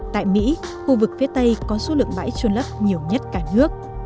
tại mỹ khu vực phía tây có số lượng bãi trôn lấp nhiều nhất cả nước